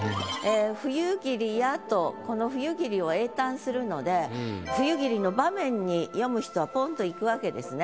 「冬霧や」とこの冬霧を詠嘆するので冬霧の場面に読む人はポンといくわけですね。